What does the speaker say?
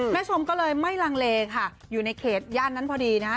ชมก็เลยไม่ลังเลค่ะอยู่ในเขตย่านนั้นพอดีนะฮะ